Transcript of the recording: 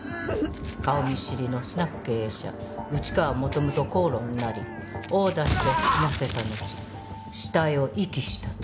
顔見知りのスナック経営者内川求と口論になり殴打して死なせたのち死体を遺棄したと。